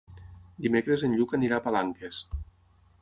Dimecres en Lluc anirà a Palanques.